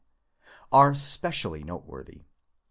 are specially noteworthy.